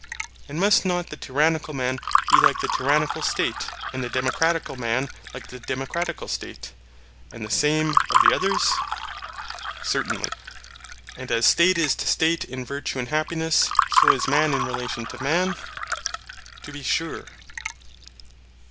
And must not the tyrannical man be like the tyrannical State, and the democratical man like the democratical State; and the same of the others? Certainly. And as State is to State in virtue and happiness, so is man in relation to man? To be sure.